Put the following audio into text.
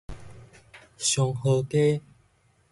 松河街